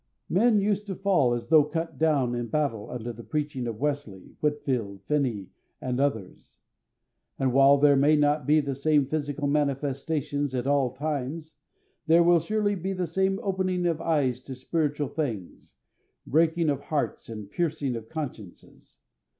Men used to fall as though cut down in battle under the preaching of Wesley, Whitefield, Finney, and others. And while there may not be the same physical manifestation at all times, there will surely be the same opening of eyes to spiritual things, breaking of hearts, and piercing of consciences.